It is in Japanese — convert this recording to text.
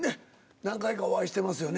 何回かお会いしてますよね。